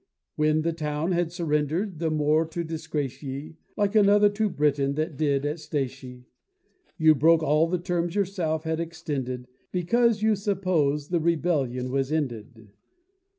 When the town had surrender'd, the more to disgrace ye (Like another true Briton that did it at 'Statia), You broke all the terms yourself had extended, Because you supposed the rebellion was ended.